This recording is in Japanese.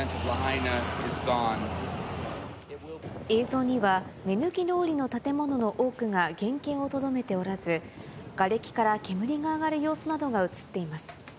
映像には目抜き通りの建物の多くが原形をとどめておらず、がれきから煙が上がる様子などが写っています。